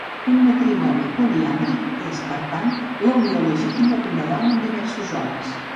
Un matrimoni poliàndric és, per tant, la unió legítima d'una dona amb diversos homes.